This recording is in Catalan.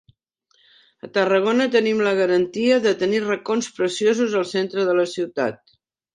A Tarragona tenim la garantia de tenir racons preciosos al centre de la ciutat.